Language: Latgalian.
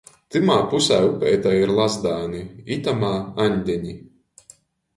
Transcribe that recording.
Tamā pusē upeitei ir Lazdāni, itamā — Aņdeni.